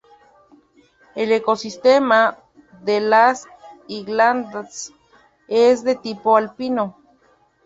El ecosistema de las Highlands es de tipo alpino.